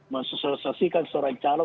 men sosialisasikan seorang calon